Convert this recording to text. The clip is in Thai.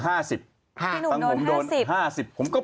พี่หนุ่มโดน๕๐